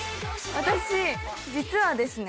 私実はですね